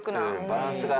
バランスが。